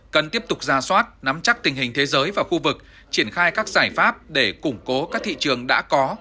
cần tiếp tục ra soát nắm chắc tình hình thế giới và khu vực triển khai các giải pháp để củng cố các thị trường đã có